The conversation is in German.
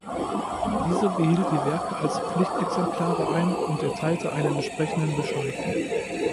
Diese behielt die Werke als Pflichtexemplare ein und erteilte einen entsprechenden Bescheid.